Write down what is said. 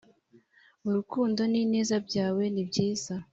urukundo n ineza byawe nibyiza